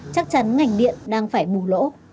chắc chắn ngành điện đang phải bù lỗ